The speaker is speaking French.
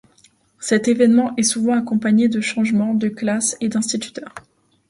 Cet événement est souvent accompagné de changements de classe et d'instituteur.